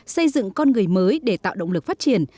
xây dựng con người mới để tạo động lực phát triển